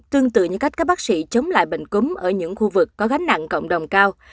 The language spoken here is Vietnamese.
tương tự như cách các bác sĩ chống lại bệnh cúm ở những khu vực có gánh nặng cộng đồng cao